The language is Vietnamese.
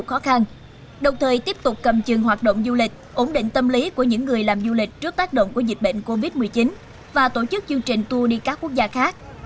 đồng thời tiếp tục cầm chừng hoạt động du lịch ổn định tâm lý của những người làm du lịch trước tác động của dịch bệnh covid một mươi chín và tổ chức chương trình tour đi các quốc gia khác